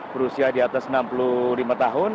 berusia di atas enam puluh lima tahun